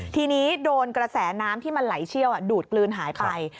ทีนี้โดนกระแสน้ำที่มันไหลเชี่ยวดูดกลืนหายไป